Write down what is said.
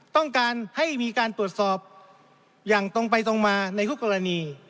ต้องการให้มีการตรวจสอบอย่างตรงไปตรงมาในทุกกรณี